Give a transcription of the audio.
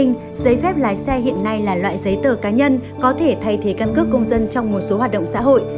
giấy phép lái xe hiện nay là loại giấy tờ cá nhân có thể thay thế căn cước công dân trong một số hoạt động xã hội